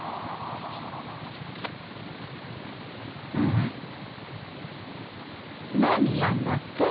ん何やんだっけ？